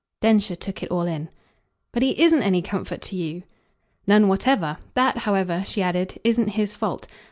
Densher took it all in. "But he isn't any comfort to you!" "None whatever. That, however," she added, "isn't his fault.